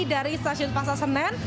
dari stasiun pasar senen